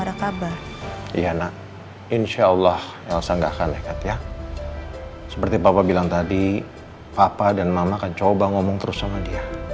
ada kabar irana insyaallah elsa nggak akan nekat ya seperti papa bilang tadi papa dan mama predicted